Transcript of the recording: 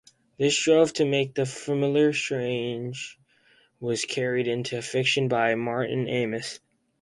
This drive to make the familiar strange was carried into fiction by Martin Amis.